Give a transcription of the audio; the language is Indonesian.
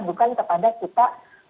bukan kepada kita